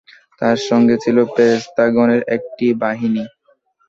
তার সঙ্গে ছিল ফেরেশতাগণের একটি বাহিনী।